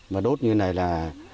mà đốt như thế này là